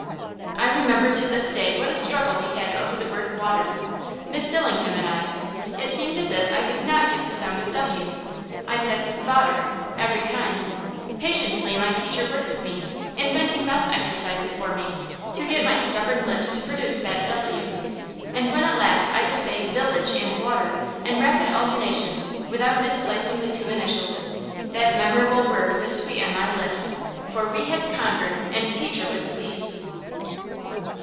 I remember to this day what a struggle we had over the word "water," Miss Dillingham and I. It seemed as if I could not give the sound of w; I said "vater" every time. Patiently my teacher worked with me, inventing mouth exercises for me, to get my stubborn lips to produce that w; and when at last I could say "village" and "water" in rapid alternation, without misplacing the two initials, that memorable word was sweet on my lips. For we had conquered, and Teacher was pleased.